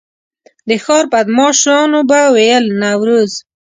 د ښار بدمعاشانو به ویل نوروز.